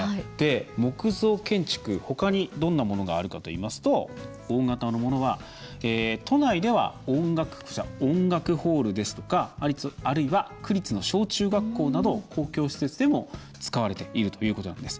木造建築ほかにどんなものがあるかといいますと大型のものは都内では音楽ホールですとかあるいは、区立の小中学校など公共施設でも使われているということなんです。